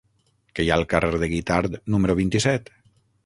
Què hi ha al carrer de Guitard número vint-i-set?